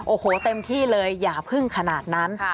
โอ้โหเต็มที่เลยอย่าพึ่งขนาดนั้น